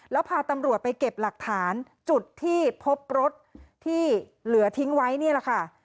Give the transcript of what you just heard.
แล้วพาตำรวจไปเก็บหลักฐานจุดที่พบรถที่เหลือทิ้งไว้นี่แหละค่ะ